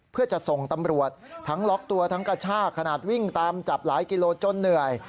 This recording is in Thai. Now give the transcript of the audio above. เพื่อจะส่งตำรวจทั้งล็อกตัวทั้งกระชากขนาดวิ่งตามจับหลายกิโลจนเหนื่อย